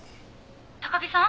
高木さん？